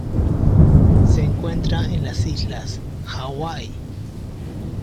Se encuentra en las islas Hawái.